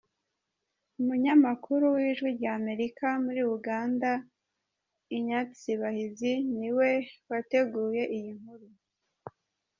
Umunyamakuru w’Ijwi ry’Amerika muri Uganda Ignatius Bahizi ni we wateguye iyi nkuru.